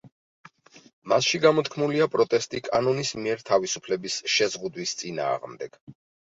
მასში გამოთქმულია პროტესტი კანონის მიერ თავისუფლების შეზღუდვის წინააღმდეგ.